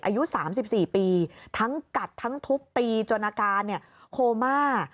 อายุ๓๔ปีทั้งกัดทั้งทุบตีจนอาการโคม่า